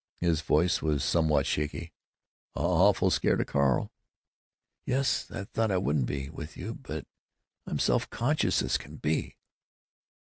His voice was somewhat shaky. "Awful scared of Carl?" "Yes! I thought I wouldn't be, with you, but I'm self conscious as can be."